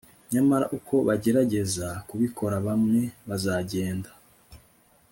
Nyamara uko bagerageza kubikora bamwe bazagenda